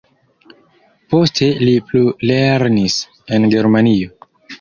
Poste li plulernis en Germanio.